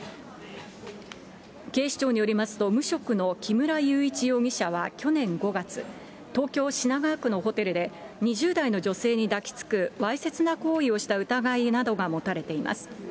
警視庁によりますと、無職の木村祐一容疑者は去年５月、東京・品川区のホテルで、２０代の女性に抱きつくわいせつな行為をした疑いなどが持たれています。